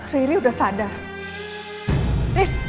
riri udah sadar